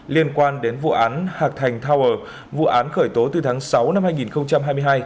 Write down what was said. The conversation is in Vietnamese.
liên quan đến vụ án hạc thành tower vụ án khởi tố từ tháng sáu năm hai nghìn hai mươi hai